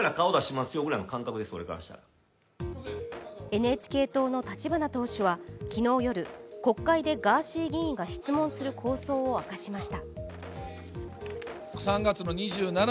ＮＨＫ党の立花党首は昨日夜国会でガーシー議員が質問する構想を明かしました。